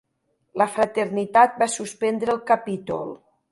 La fraternitat va suspendre el capítol.